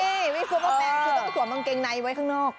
นี่วิซูเปอร์แมนคือต้องสวมกางเกงในไว้ข้างนอก